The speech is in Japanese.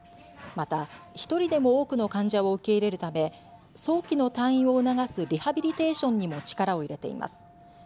また、１人でも多くの患者を受け入れるため早期の退院を促すリハビリテーションにも力を入れています。